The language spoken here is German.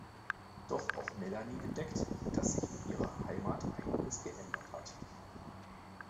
Doch auch Melanie entdeckt, dass sich in ihrer Heimat einiges geändert hat.